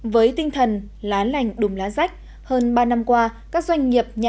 với tinh thần lá lành đùm lá sách hơn ba năm qua các doanh nghiệp